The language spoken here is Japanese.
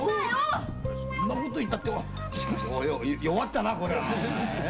そんなこと言ったって弱ったな。